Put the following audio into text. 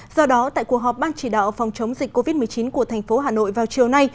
do đó tại cuộc họp ban chỉ đạo phòng chống dịch covid một mươi chín của thành phố hà nội vào chiều nay